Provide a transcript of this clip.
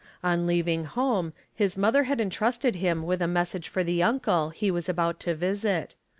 On leaving home his mother had entrusted him with a message for the uncle he was about to visit.